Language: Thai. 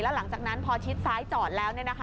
หลังจากนั้นพอชิดซ้ายจอดแล้ว